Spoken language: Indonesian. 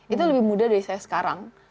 itu lebih mudah dari saya sekarang